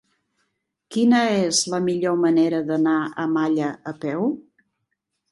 Quina és la millor manera d'anar a Malla a peu?